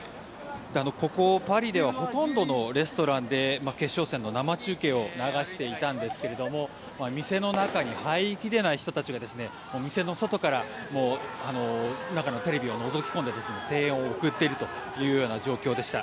ここ、パリではほとんどのレストランで決勝戦の生中継を流していたんですが店の中に入り切れない人たちが店の外から中のテレビをのぞき込んで声援を送っているというような状況でした。